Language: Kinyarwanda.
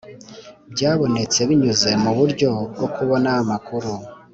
Byabonetse binyuze mu buryo bwo kubona amakuru